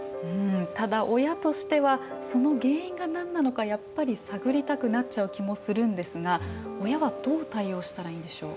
ただ親としてはその原因が何なのかやっぱり探りたくなっちゃう気もするんですが親はどう対応したらいいんでしょう？